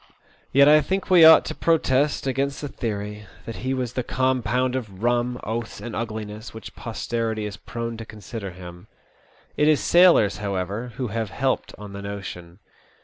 Yet I think we ought to protest against the theory that he was the compound of rum, oaths, and ugliness, which posterity is prone to consider him. It is sailors, however, who have helped on the notion.